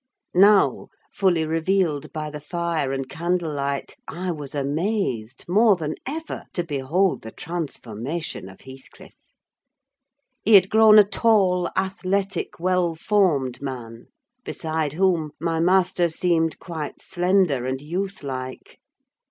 Now, fully revealed by the fire and candlelight, I was amazed, more than ever, to behold the transformation of Heathcliff. He had grown a tall, athletic, well formed man; beside whom my master seemed quite slender and youth like.